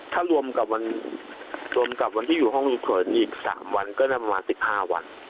ถ้ารวมกับวันที่อยู่ห้องลูกฝนอีก๓วันก็ได้ประมาณ๑๕วัน